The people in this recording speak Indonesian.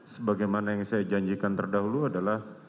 sebagaimana yang saya janjikan terdahulu adalah